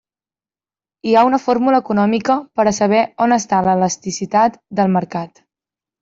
Hi ha una fórmula econòmica per a saber on està l'elasticitat del mercat.